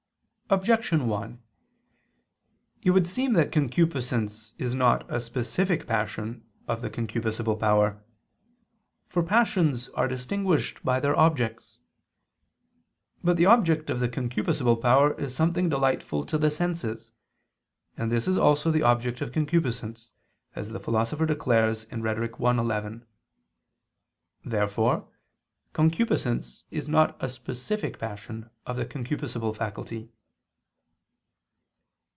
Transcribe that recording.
Objection 1: It would seem that concupiscence is not a specific passion of the concupiscible power. For passions are distinguished by their objects. But the object of the concupiscible power is something delightful to the senses; and this is also the object of concupiscence, as the Philosopher declares (Rhet. i, 11). Therefore concupiscence is not a specific passion of the concupiscible faculty.